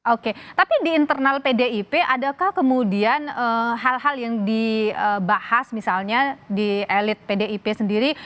oke tapi di internal pdip adakah kemudian hal hal yang dibahas misalnya di elit pdip sendiri